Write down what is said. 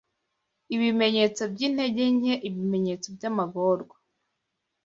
Ibimenyetso byintege nke, ibimenyetso byamagorwa